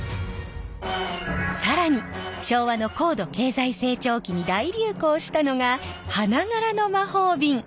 更に昭和の高度経済成長期に大流行したのが花柄の魔法瓶。